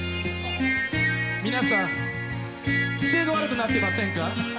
皆さん姿勢が悪くなってませんか？